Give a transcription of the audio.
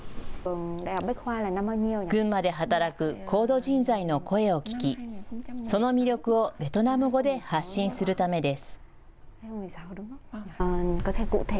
群馬で働く高度人材の声を聞きその魅力をベトナム語で発信するためです。